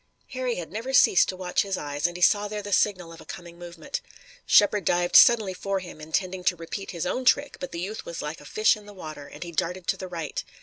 Harry had never ceased to watch his eyes, and he saw there the signal of a coming movement. Shepard dived suddenly for him, intending to repeat his own trick, but the youth was like a fish in the water, and he darted to the right.